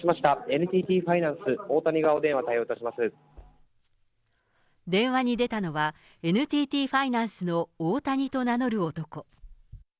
ＮＴＴファイナンス、電話に出たのは、ＮＴＴファイナンスのオオタニと名乗る男。